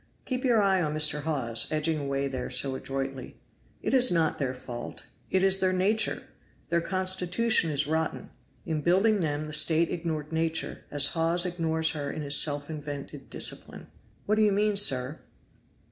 (Keep your eye on Mr. Hawes, edging away there so adroitly.) It is not their fault, it is their nature; their constitution is rotten; in building them the State ignored Nature, as Hawes ignores her in his self invented discipline." "What do you mean, sir?"